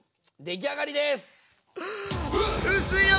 出来上がりです！